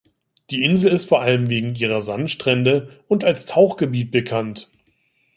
Die Insel ist vor allem wegen ihrer Sandstrände und als Tauchgebiet bekannt.